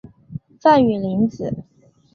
范允临子。